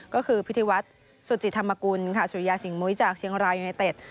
ก็คือพิธีวัฒน์สุจิตธรรมกุลค่ะสุริยาสิงหมุ้ยจากเชียงรายยูเนเต็ด